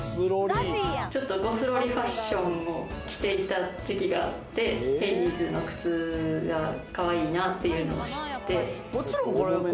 ちょっとゴスロリ・ファッションを着ていた時期があって、ヘイディーズの靴がかわいいなっていうのを知って。